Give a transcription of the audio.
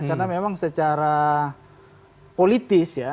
karena memang secara politis ya